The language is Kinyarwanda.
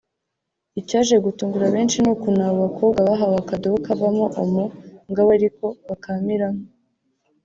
Icyaje gutungura benshi n’ukuntu aba bakobwa bahawe akadobo kavamo ‘Omo’ ngo abe ariko bakamiramo